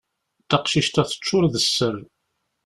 Taqcict-a teččur d sser.